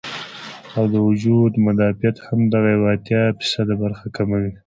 او د وجود مدافعت هم دغه بره اتيا فيصده برخه کموي